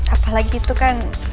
apalagi itu kan